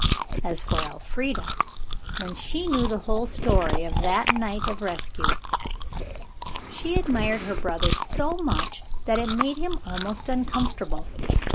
As for Elfrida, when she knew the whole story of that night of rescue, she admired her brother so much that it made him almost uncomfortable.